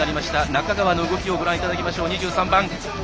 仲川の動きをご覧いただきましょう、２３番。